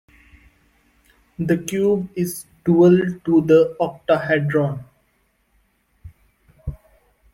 The cube is dual to the octahedron.